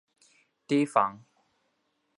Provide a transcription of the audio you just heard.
提防